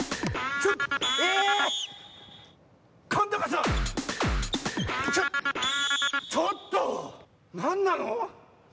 ちょっとなんなの？